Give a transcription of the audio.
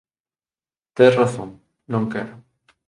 Tes razón. Non quero.